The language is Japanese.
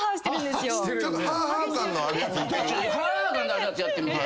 ハァハァ感のあるやつやってみて。